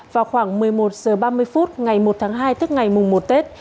vào khoảng một mươi một h ba mươi phút ngày một tháng hai tức ngày mùng một tết